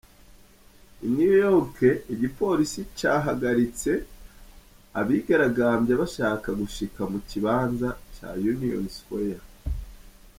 I New York, igipolisi cahagaritse abigaragamvya bashaka gushika mu kibanza ca Union Square.